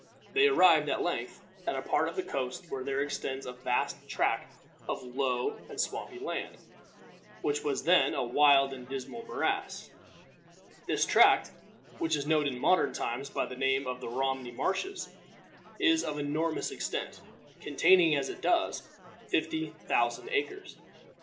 They arrived, at length, at a part of the coast where there extends a vast tract of low and swampy land, which was then a wild and dismal morass. This tract, which is known in modern times by the name of the Romney Marshes, is of enormous extent, containing, as it does, fifty thousand acres.